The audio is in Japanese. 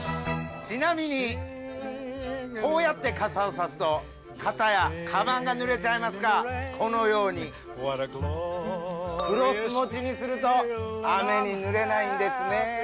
ちなみにこうやって傘を差すと肩やかばんがぬれちゃいますがこのようにクロス持ちにすると雨にぬれないんですね。